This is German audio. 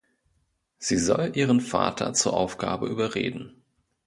Sie soll ihren Vater zur Aufgabe überreden.